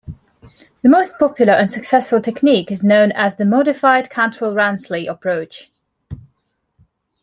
The most popular and successful technique is known as the modified Cantwell-Ransley approach.